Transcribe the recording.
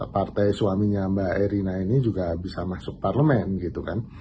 partai suaminya mbak erina ini juga bisa masuk parlemen gitu kan